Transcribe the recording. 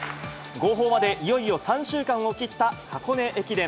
号砲までいよいよ３週間を切った箱根駅伝。